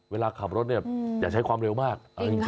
เวลาขับรถเนี่ยอย่าใช้ความเร็วมาก